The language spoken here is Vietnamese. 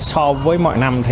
so với mọi năm